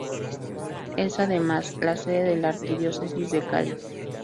Es además la sede de la Arquidiócesis de Cali.